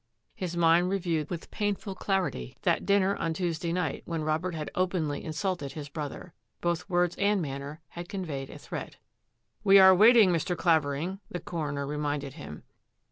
His mind reviewed with painful clarity that dinner on Tuesday night when Robert had openly insulted his brother. Both words and manner had conveyed a threat. " We are waiting, Mr. Clavering," the coroner reminded him.